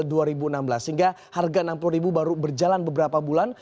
sehingga harga rp enam puluh baru berjalan beberapa bulan